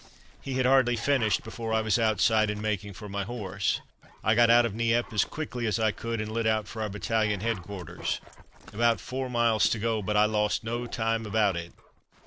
He had hardly finished before I was outside and making for my horse. I got out of Nieppe as quickly as I could, and lit out for our battalion headquarters. About four miles to go, but I lost no time about it.